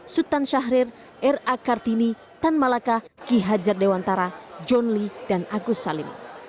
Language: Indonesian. sultan syahrir ra kartini tan malaka ki hajar dewantara john lee dan agus salim